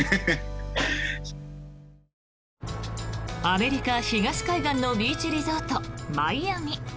アメリカ東海岸のビーチリゾート、マイアミ。